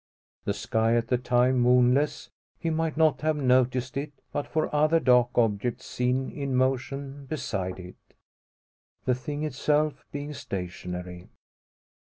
The sky at the time moonless he might not have noticed it, but for other dark objects seen in motion beside it the thing itself being stationary.